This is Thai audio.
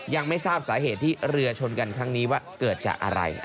ยังไม่ทราบสาเหตุที่เรือชนกันครั้งนี้ว่าเกิดจากอะไร